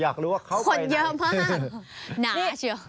อยากรู้ว่าเขาคนเยอะมากหนาเชียว